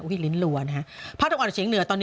พรรษฐกรรมเชียงเหนือ